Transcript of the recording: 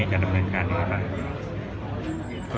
อ๋อต้องเฉพาะในส่วนของภาคแปดนี้จะดำเนินการอยู่หรือเปล่า